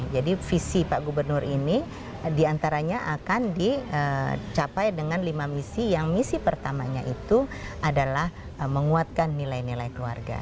jadi visi pak gubernur ini diantaranya akan dicapai dengan lima misi yang misi pertamanya itu adalah menguatkan nilai nilai keluarga